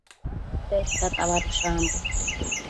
Tedta tabadosh ambo?